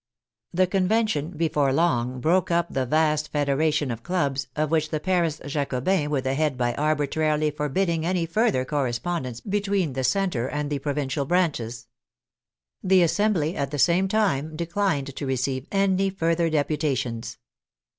The Convention before long broke up the vast federa tion of clubs of which the Paris Jacobins were the head by arbitrarily forbidding any further correspondence be tween the center and the provincial branches. The As sembly, at the same time, declined to receive any further deputations.